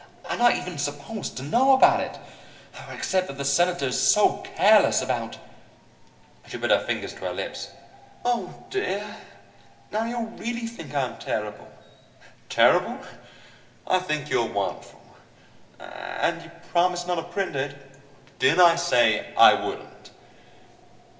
I'm not even supposed to know about it, except that the Senator is so careless about " She put her fingers to her lips. "Oh, dear, now you'll really think I'm terrible." "Terrible? I think you're wonderful!" "And you promise not to print it?" "Didn't I say I wouldn't?"